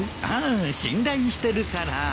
ああ信頼してるから。